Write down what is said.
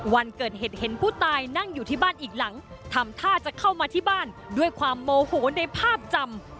วันเกิดเหตุเห็นผู้ตายนั่งอยู่ที่บ้านอีกหลังทำท่าจะเข้ามาที่บ้านด้วยความโมโหในภาพจำ